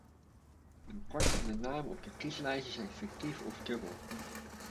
Een kwart van de namen op de kieslijsten zijn fictief of dubbel.